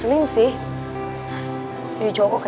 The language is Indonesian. terima kasih chef h agora